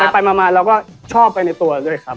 ไปมาเราก็ชอบไปในตัวด้วยครับ